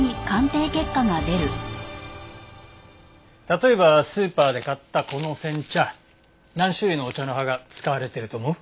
例えばスーパーで買ったこの煎茶何種類のお茶の葉が使われてると思う？